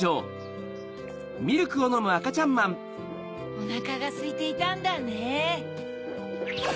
おなかがすいていたんだね。